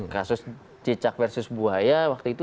kasus cicak versus buaya waktu itu